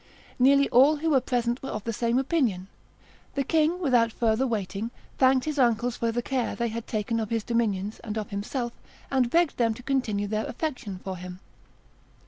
Nearly all who were present were of the same opinion. The king, without further waiting, thanked his uncles for the care they had taken of his dominions and of himself, and begged them to continue their affection for him.